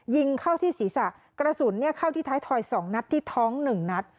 ยิงเข้าที่ศีรษะกระสุนเข้าที่ท้ายทอย๒นัดที่ท้อง๑นัด